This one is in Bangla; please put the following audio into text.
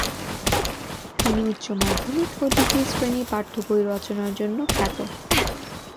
তিনি উচ্চমাধ্যমিক ও ডিগ্রী শ্রেণির পাঠ্যবই রচনার জন্য খ্যাত।